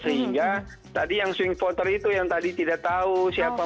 sehingga tadi yang swing voter itu yang tadi tidak tahu siapa